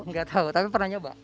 nggak tahu tapi pernah nyoba